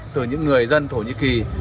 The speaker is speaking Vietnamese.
từ những người dân thổ nhĩ kỳ